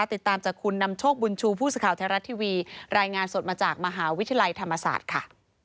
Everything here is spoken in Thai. ติดตามจากคุณนำโชคบุญชูผู้สื่อข่าวไทยรัฐทีวีรายงานสดมาจากมหาวิทยาลัยธรรมศาสตร์ค่ะ